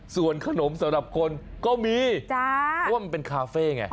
ส่วนขนมสำหรับคนก็มีเพราะว่ามันเป็นคาเฟ่ไง